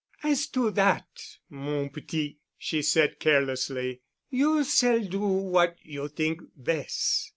"As to that, mon petit," she said carelessly, "you s'all do what you t'ink bes'.